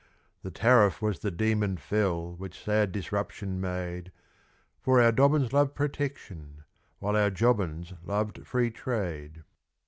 The Tariff was the demon fell which sad disruption made, For our Dobbins loved Protection, while our Jobbins loved Free Trade.